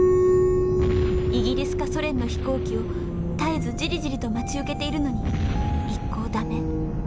イギリスかソ連の飛行機を絶えずじりじりと待ち受けているのに一向駄目。